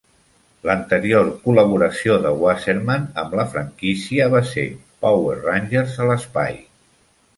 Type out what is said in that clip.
L'anterior col·laboració de Wasserman amb la franquícia va ser "Power Rangers a l'espai".